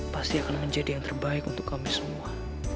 pasti akan menjadi yang terbaik untuk kami semua